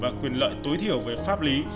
và quyền lợi tối thiểu về pháp lý